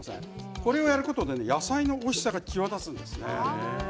これをやることで野菜のおいしさが際立つんですね。